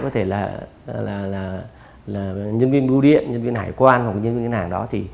có thể là nhân viên bưu điện nhân viên hải quan hoặc nhân viên hành đó